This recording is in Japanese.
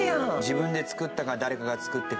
自分で作ったか誰かが作ってくれたか。